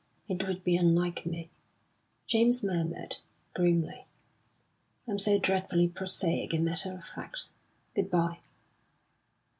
"It would be unlike me," James murmured, grimly. "I'm so dreadfully prosaic and matter of fact. Good bye!"